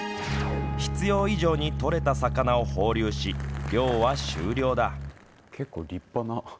必要以上に取れた魚を放流し漁は終了だ。